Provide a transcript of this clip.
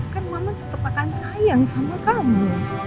kan mama tetap akan sayang sama kamu